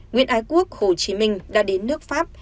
nguyễn ái quốc hồ chí minh đã đến nước pháp